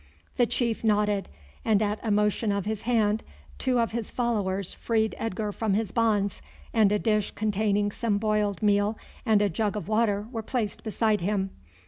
The chief nodded, and at a motion of his hand two of his followers freed Edgar from his bonds, and a dish containing some boiled meal and a jug of water were placed beside him.